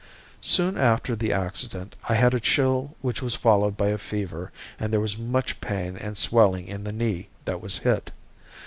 Soon after the accident I had a chill which was followed by a fever and there was much pain and swelling in the knee that was hit.